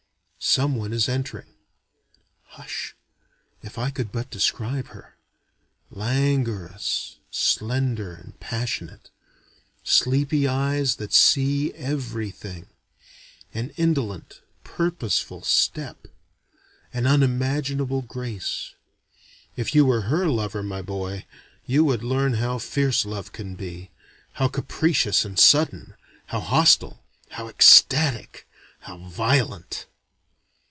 Some one is entering. Hush! If I could but describe her! Languorous, slender and passionate. Sleepy eyes that see everything. An indolent purposeful step. An unimaginable grace. If you were her lover, my boy, you would learn how fierce love can be, how capricious and sudden, how hostile, how ecstatic, how violent!